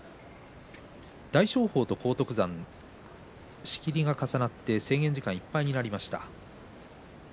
大翔鵬と荒篤山仕切りが重なって制限時間いっぱいになりました。